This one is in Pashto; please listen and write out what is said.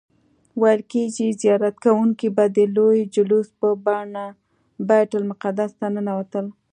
ویل کیږي زیارت کوونکي به د لوی جلوس په بڼه بیت المقدس ته ننوتل.